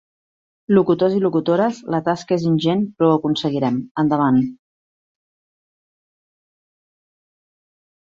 Locutors i locutores, la tasca és ingent, però ho aconseguirem! Endavant!